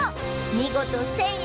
見事１０００円